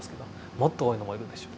もっと多いのもいるでしょう。